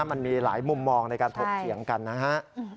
มันมีหลายมุมมองในการถกเถียงกันนะฮะ